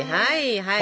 はい。